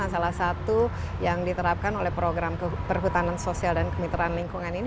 salah satu yang diterapkan oleh program perhutanan sosial dan kemitraan lingkungan ini